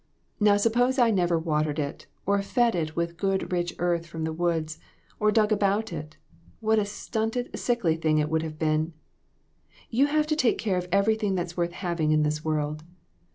Now suppose I never watered it, or fed it with good rich earth from the woods, or dug about it, what a stunted, sickly thing it would have been ! You have to take care of everything that's worth having in this world.